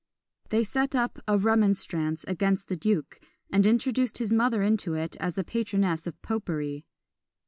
They sent up a "Remonstrance" against the duke, and introduced his mother into it, as a patroness of popery.